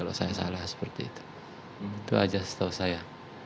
kalau saya salah seperti itu itu aja setahu saya